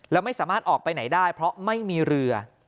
แล้วไม่สามารถออกไปไหนได้เพราะไม่มีเรือ